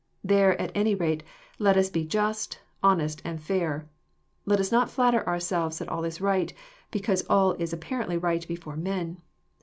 There, at any rate, let us be just,_honest, and fair. Let us not flatter ourselves that all is right, because all is apparently right before men.